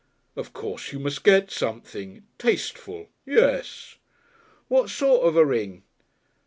"Of course you must get something tasteful. Yes." "What sort of a ring?"